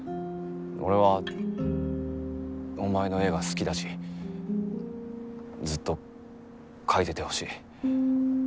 俺はお前の絵が好きだしずっと描いててほしい。